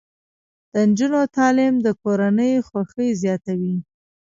د نجونو تعلیم د کورنۍ خوښۍ زیاتوي.